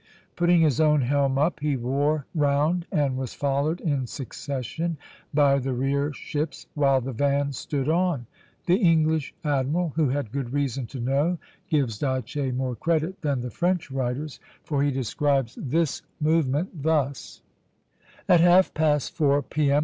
Putting his own helm up, he wore round, and was followed in succession by the rear ships, while the van stood on. The English admiral, who had good reason to know, gives D'Aché more credit than the French writers, for he describes this movement thus: "At half past four P.M.